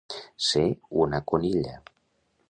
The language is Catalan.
Ser una conilla.